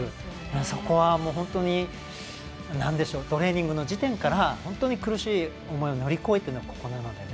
そこは本当にトレーニングの時点から苦しい思いを乗り越えてのここなのでね。